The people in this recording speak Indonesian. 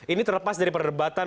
ini terlepas dari perdebatan